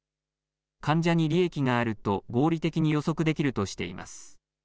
患者に利益があると合理的に予測できるとしています。